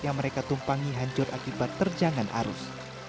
yang mereka tumpangi hancur akibat terjangan arus